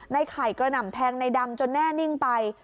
ในไข่กระหน่ำแทงในดำจนแน่นิ่งไป